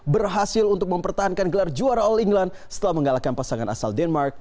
berhasil untuk mempertahankan gelar juara all england setelah mengalahkan pasangan asal denmark